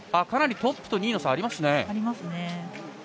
かなりトップと２位の差があります。